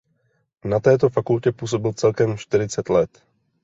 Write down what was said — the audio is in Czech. Na této fakultě působil celkem čtyřicet let.